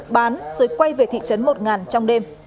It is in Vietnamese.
bán rồi quay về thị trấn một trong đêm